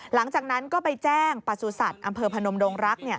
หลังจากนั้นก็ไปแจ้งประสูจน์ศัตริย์อำเภอพนมโดรงรักษ์